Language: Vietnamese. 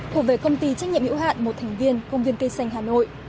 hộp về công ty trách nhiệm hiệu hạn một thành viên công viên cây xanh hà nội